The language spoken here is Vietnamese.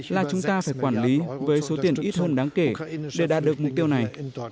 là chúng ta phải quản lý với số tiền ít hơn đáng kể để đạt được mục tiêu này